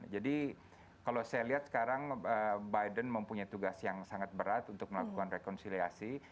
jadi kalau saya lihat sekarang biden mempunyai tugas yang sangat berat untuk melakukan rekonsiliasi